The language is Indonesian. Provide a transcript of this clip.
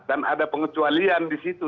dan ada pengecualian disitu